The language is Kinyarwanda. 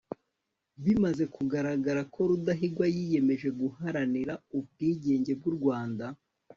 bimaze kugaragara ko rudahigwa yiyemeje guharanira ubwigenge bw'u rwanda